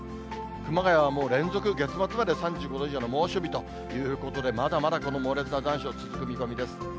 熊谷はもう連続、月末まで３５度以上の猛暑日ということで、まだまだこの猛烈な残暑続く見込みです。